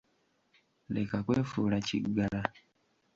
Leka kwefuula kiggala.